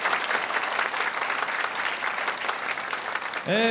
え